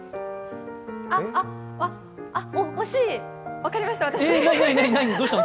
あっ、あっ、おいしい、分かりました、私。